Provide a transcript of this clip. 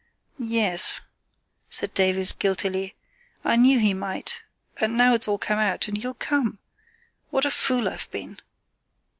"Yes," said Davies, guiltily. "I knew he might; and now it's all come out, and you'll come! What a fool I've been!"